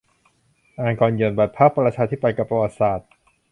อ่านก่อนหย่อนบัตร พรรคประชาธิปัตย์ กับประวัติศาสตร์